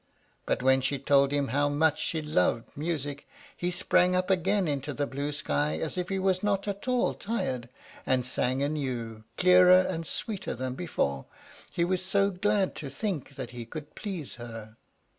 But when she told him how much she loved music, he sprang up again into the blue sky as if he was not at all tired, and sang anew, clearer and sweeter than before. He was so glad to think that he could please her.